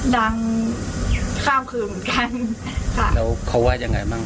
ดังข้ามคืนเหมือนกันค่ะแล้วเขาว่ายังไงบ้าง